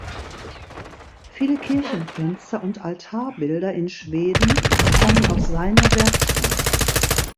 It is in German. Viele Kirchenfenster und Altarbilder in Schweden stammen aus seiner Werkstatt.